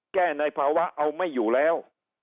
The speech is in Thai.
ในภาวะเอาไม่อยู่แล้ว